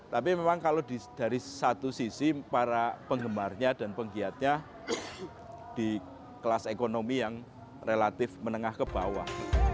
tapi memang kalau dari satu sisi para penggemarnya dan penggiatnya di kelas ekonomi yang relatif menengah ke bawah